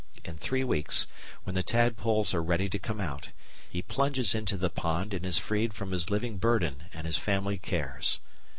In three weeks, when the tadpoles are ready to come out, he plunges into the pond and is freed from his living burden and his family cares.